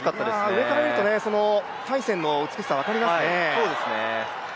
上からみると体線の美しさ分かりますね。